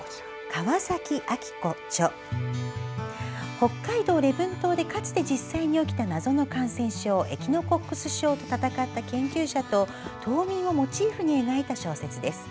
北海道礼文島でかつて実際に起きた謎の感染症エキノコックス症と闘った研究者と島民をモチーフに描いた小説です。